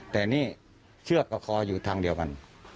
แต่นี่เชือกกับคออยู่ทางเดียวกัน